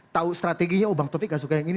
tahu strateginya bang taufik gak suka yang ini